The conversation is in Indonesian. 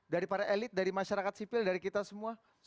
dari para elit dari masyarakat sipil dari kita semua